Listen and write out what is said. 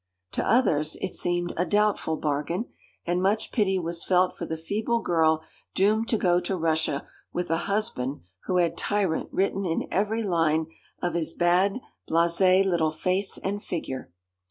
To others it seemed a doubtful bargain, and much pity was felt for the feeble girl doomed to go to Russia with a husband who had 'tyrant' written in every line of his bad, blasé little face and figure.